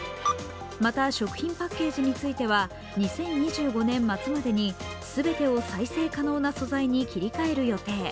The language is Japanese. また食品パッケージについては２０２５年末までにすべてを再生可能な素材に切り替える予定。